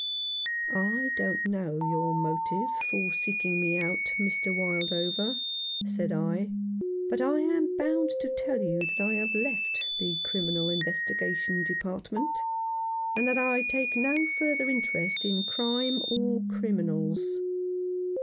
"I don't know your motive for seeking me out, Mr. Wildover," said I, "but I am bound to tell you that I have left the Criminal Investigation Department, and that I take no further interest in crime or criminals."